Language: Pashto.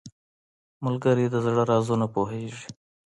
ملګری د زړه رازونه پوهیږي